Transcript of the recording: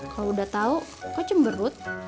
kalau udah tahu kok cemberut